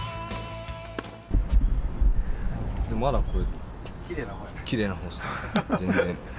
まだこれ、きれいなほうですね、全然。